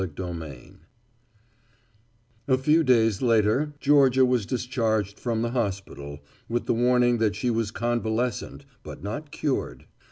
XXI WORSHIP A few days later Georgia was discharged from the hospital with the warning that she was convalescent, but not cured.